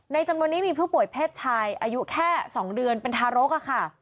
จำนวนนี้มีผู้ป่วยเพศชายอายุแค่๒เดือนเป็นทารกค่ะ